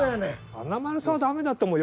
華丸さんはダメだと思う。